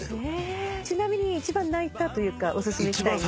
ちなみに一番泣いたというかおすすめしたい。